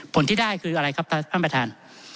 ผลที่ได้คืออะไรครับท่านประธาน